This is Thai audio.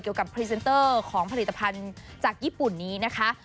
กับพรีเซนเตอร์ของผลิตภัณฑ์จากญี่ปุ่นนี้นะคะ